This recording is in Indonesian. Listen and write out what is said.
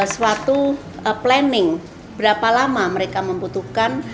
suatu planning berapa lama mereka membutuhkan